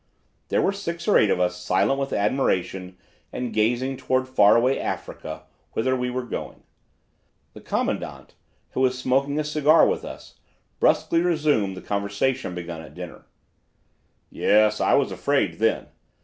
There were six or eight of us silent with admiration and gazing toward far away Africa whither we were going. The commandant, who was smoking a cigar with us, brusquely resumed the conversation begun at dinner. "Yes, I was afraid then.